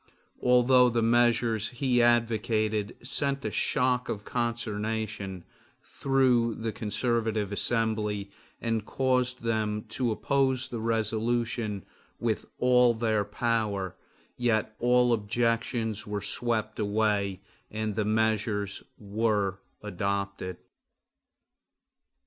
Although the measures he advocated sent a shock of consternation through the conservative assembly and caused them to oppose the resolutions with all their power, yet all objections were swept away and the measures were adopted.